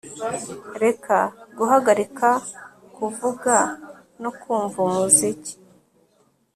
Reka guhagarika kuvuga no kumva umuziki